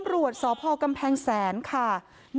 โชว์บ้านในพื้นที่เขารู้สึกยังไงกับเรื่องที่เกิดขึ้น